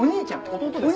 弟ですよ。